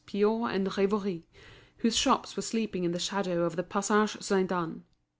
Piot and Rivoire, whose shops were sleeping in the shadow of the Passage Sainte Anne.